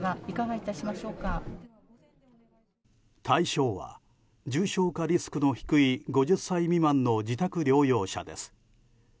対象は重症化リスク低い５０歳未満の自宅療養者です。